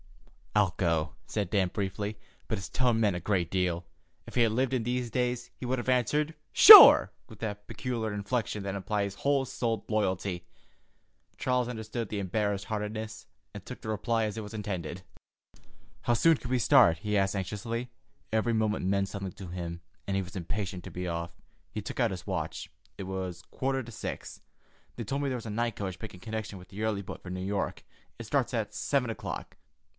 "I'll go," said Dan briefly, but his tone meant a great deal. If he had lived in these days, he would have answered "Sure!" with that peculiar inflection that implies whole souled loyalty. Charles understood the embarrassed heartiness, and took the reply as it was intended. "How soon can we start?" he asked anxiously. Every moment meant something to him, and he was impatient to be off. He took out his watch. It was quarter to six. "They told me there was a night coach making connection with the early boat for New York. It starts at seven o'clock.